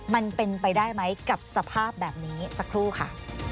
มันเป็นไปได้ไหมกับสภาพแบบนี้สักครู่ค่ะ